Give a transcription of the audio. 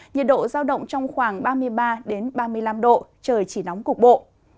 nhiệt độ giao động trong khoảng ba mươi ba ba mươi năm độ trời chỉ nóng cục bộ